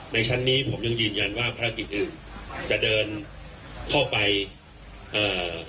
ชั้นนี้ผมยังยืนยันว่าภารกิจอื่นจะเดินเข้าไปเอ่อ